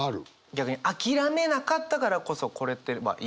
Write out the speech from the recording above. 逆に諦めなかったからこそ来れてるまあいるんですけど。